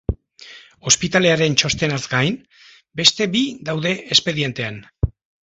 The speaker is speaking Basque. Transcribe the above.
Ospitalearen txostenaz gain, beste bi daude espedientean.